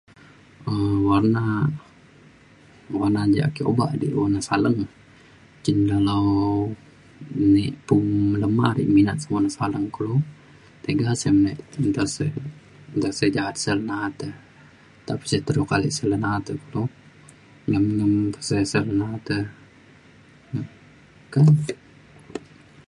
um warna warna je ake obak di warna saleng cin dalau nik pum lema ek minat saleng kulu tega sey manik nta sey nta sey ja'at sey le na’at e nta pesik teruk alik sey re na'at e kulu. ngam ngam te sey sey le na’at e